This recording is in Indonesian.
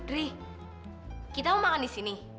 rih kita mau makan di sini